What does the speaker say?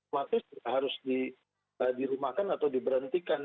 mati harus dirumahkan atau diberhentikan